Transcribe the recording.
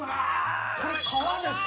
これ、皮ですか？